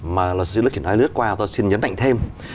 mà lọt sư dương văn tích nói lướt qua tôi xin nhấn mạnh thêm